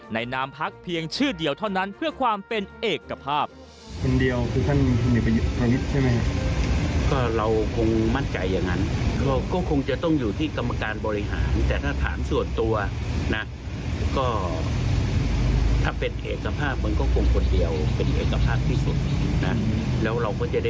ในนามพักเพียงชื่อเดียวเท่านั้นเพื่อความเป็นเอกกระภาพ